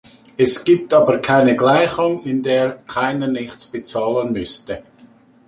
Es gibt aber keine Gleichung, in der keiner nichts bezahlen müsste.